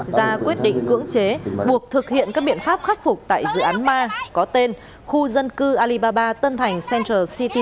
ra quyết định cưỡng chế buộc thực hiện các biện pháp khắc phục tại dự án ma có tên khu dân cư alibaba tân thành central city